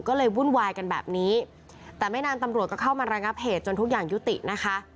ก็เลยวุ่นวายกันแบบนี้แต่ไม่นานตำรวจก็เข้ามาระงับเหตุจนทุกอย่างยุตินะคะ